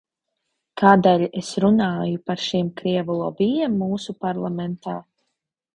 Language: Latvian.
Kādēļ es runāju par šiem krievu lobijiem mūsu parlamentā?